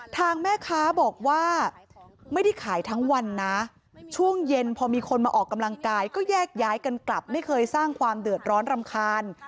ทางแม่ค้าบอกว่าไม่ได้ขายทั้งวันนะช่วงเย็นพอมีคนมาออกกำลังกายก็แยกย้ายกันกลับไม่เคยสร้างความเดือดร้อนรำคาญ